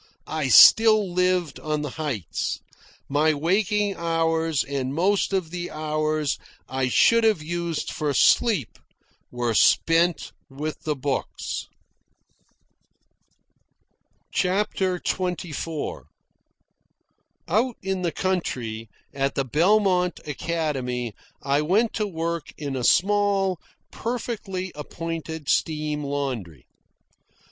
I still lived on the heights. My waking hours, and most of the hours I should have used for sleep, were spent with the books. CHAPTER XXIV Out in the country, at the Belmont Academy, I went to work in a small, perfectly appointed steam laundry.